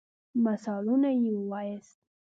مثالونه يي ووایاست.